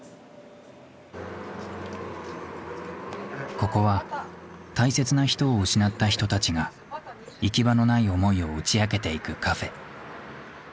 ここは大切な人を失った人たちが行き場のない思いを打ち明けていくカフェ。